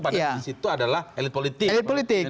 pada dasarnya itu adalah elit politik